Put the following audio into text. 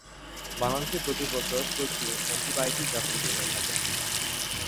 বাংলাদেশে প্রতিবছর প্রচুর অ্যান্টিবায়োটিক ব্যবহূত হয়ে থাকে।